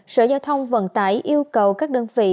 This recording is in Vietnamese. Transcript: sở giao thông vận tải yêu cầu các đơn vị